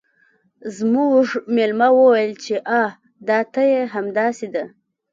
زموږ میلمه وویل چې آه دا ته یې همداسې ده